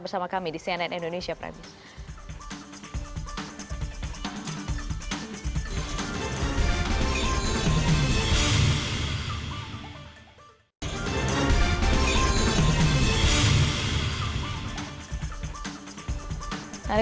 bersama kami di cnn indonesia prime news